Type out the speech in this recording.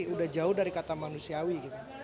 udah jauh dari kata manusiawi